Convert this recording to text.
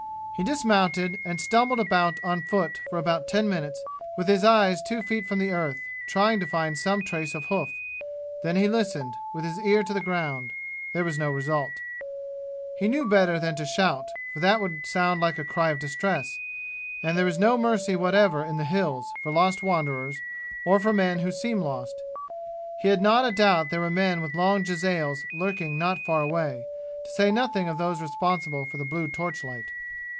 He dismounted and stumbled about on foot for about ten minutes with his eyes two feet from the earth, trying to find some trace of hoof. Then he listened, with his ear to the ground. There was no result. He knew better than to shout, for that would sound like a cry of distress, and there is no mercy whatever in the "Hills" for lost wanderers, or for men who seem lost. He had not a doubt there were men with long jezails lurking not far away, to say nothing of those responsible for the blue torchlight.